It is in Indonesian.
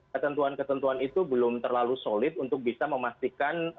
ketentuan ketentuan itu belum terlalu solid untuk bisa memastikan